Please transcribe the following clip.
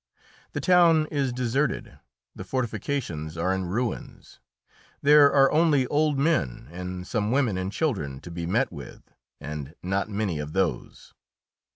The town is deserted, the fortifications are in ruins; there are only old men and some women and children to be met with and not many of those.